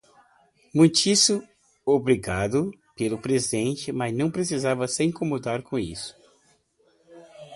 Muitíssimo obrigado pelo presente, mas não precisava se incomodar com isso.